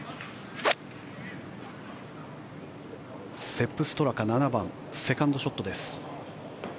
セップ・ストラカ７番、セカンドショットです。